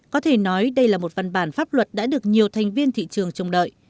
có thể nói đây là một văn bản pháp luật đã được nhiều thành viên thị trường chống đợi